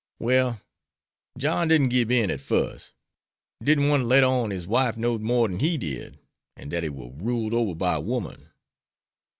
Well, John didn't gib in at fust; didn't want to let on his wife knowed more dan he did, an' dat he war ruled ober by a woman.